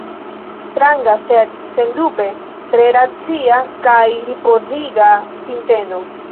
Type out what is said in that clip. Stranga, sed sendube tre racia kaj ripoziga sinteno.